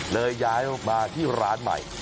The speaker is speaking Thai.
เลยย้ายมาที่ร้านใหม่